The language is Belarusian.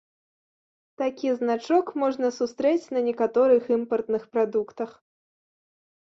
Такі значок можна сустрэць на некаторых імпартных прадуктах.